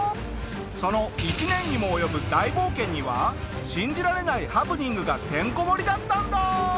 その１年にも及ぶ大冒険には信じられないハプニングがてんこ盛りだったんだ！